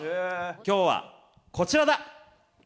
今日はこちらだ！